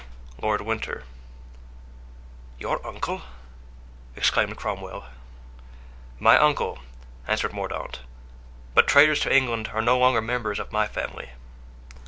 "Lord Winter." "Your uncle?" exclaimed Cromwell. "My uncle," answered Mordaunt; "but traitors to England are no longer members of my family."